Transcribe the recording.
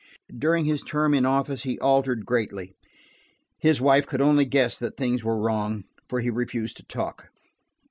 During his term in office he altered greatly; his wife could only guess that things were wrong, for he refused to talk.